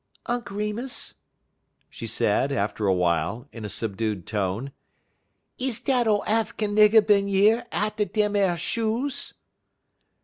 "Unk Remus," she said, after awhile, in a subdued tone, "is dat old Affikin nigger bin yer atter dem ar shoes?"